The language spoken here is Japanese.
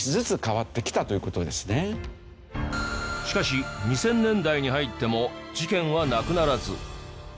しかし２０００年代に入っても事件はなくならず。